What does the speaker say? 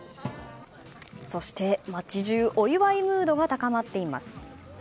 そして、街中お祝いムードが高まっています。